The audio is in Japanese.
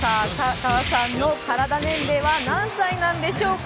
香川さんの体年齢は何歳なんでしょうか？